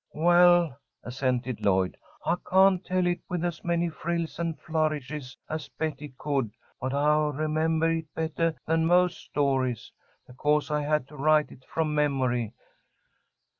"Well," assented Lloyd, "I can't tell it with as many frills and flourishes as Betty could, but I remembah it bettah than most stories, because I had to write it from memory."